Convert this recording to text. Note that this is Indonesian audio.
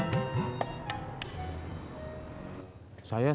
saya sebetulnya saya mau berpikir nikah